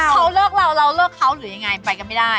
เขาเลิกเราเราเลิกเขาหรือยังไงไปกันไม่ได้